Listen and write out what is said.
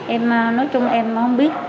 em nói chung em không biết